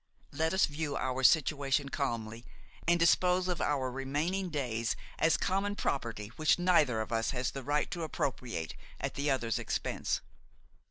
Let us view our situation calmly and dispose of our remaining days as common property which neither of us has the right to appropriate at the other's expense.